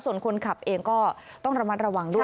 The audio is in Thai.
ส่วนคนขับเองก็ต้องระมัดระวังด้วย